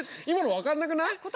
今の分かんなくない？